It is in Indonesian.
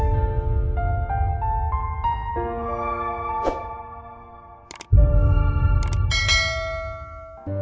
untuk dia yang ramai ramai edebe